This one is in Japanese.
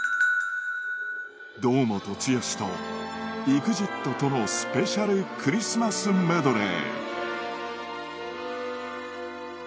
堂本剛と ＥＸＩＴ とのスペシャルクリスマスメドレー